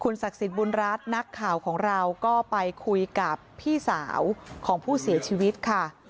ศักดิ์สิทธิ์บุญรัฐนักข่าวของเราก็ไปคุยกับพี่สาวของผู้เสียชีวิตค่ะ